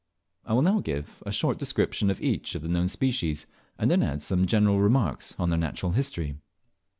I will now give a short description of each of the known species, and then add some general remarks on their natural history.